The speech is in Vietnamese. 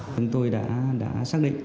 chúng tôi đã xác định